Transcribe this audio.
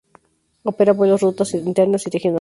Opera vuelos rutas internas y regionales.